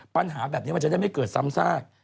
เพราะว่าแบบนี้มันจะไม่เกิดซ้ำซาก